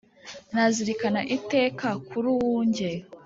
nazirikana iteka kur’uwunjye